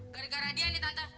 gara gara dia ini tante